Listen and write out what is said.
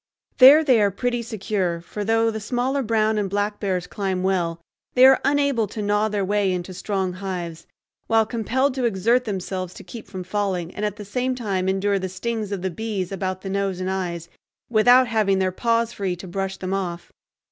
There they are pretty secure, for though the smaller brown and black bears climb well, they are unable to gnaw their way into strong hives, while compelled to exert themselves to keep from falling and at the same time endure the stings of the bees about the nose and eyes, without having their paws free to brush them off.